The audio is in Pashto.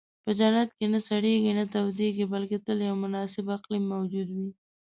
په جنت کې نه سړېږي، نه تودېږي، بلکې تل یو مناسب اقلیم موجود وي.